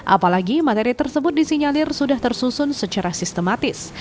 apalagi materi tersebut disinyalir sudah tersusun secara sistematis